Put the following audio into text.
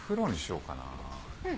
うん。